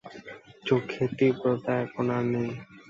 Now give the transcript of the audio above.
চোখের তীব্রতা এখন আর নেই।